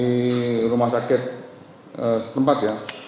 di rumah sakit setempat ya